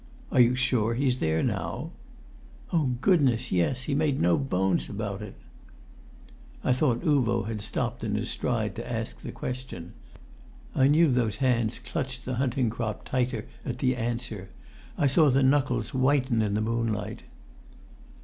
"Are you sure he's there now?" "Oh, goodness, yes! He made no bones about it." I thought Uvo had stopped in his stride to ask the question. I knew those hands clutched the hunting crop tighter at the answer. I saw the knuckles whiten in the moonlight.